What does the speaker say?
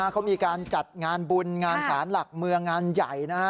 เขามีการจัดงานบุญงานศาลหลักเมืองงานใหญ่นะฮะ